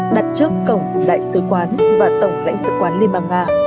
đặt trước cổng lãnh sứ quán và tổng lãnh sứ quán liên bang nga